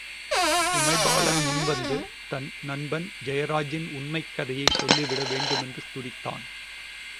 உமைபாலன் முன்வந்து, தன் நண்பன் ஜெயராஜின் உண்மைக் கதையைச் சொல்லிவிட வேண்டுமென்று துடித்தான்.